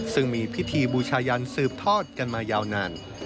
ซึ่งมีพิธีบูชายันสืบทอดกันมายาวนาน